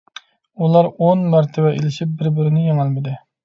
ئۇلار ئون مەرتىۋە ئېلىشىپ بىر - بىرىنى يېڭەلمىدى.